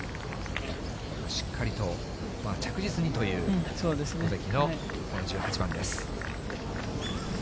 しっかりと着実にという、尾関のこの１８番です。